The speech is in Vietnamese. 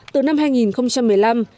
từ năm hai nghìn một mươi năm